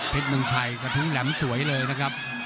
เมืองชัยกระทิ้งแหลมสวยเลยนะครับ